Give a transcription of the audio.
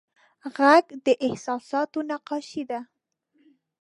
غږ د احساساتو نقاشي ده